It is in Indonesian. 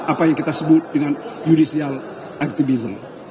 apa yang kita sebut dengan judicial activism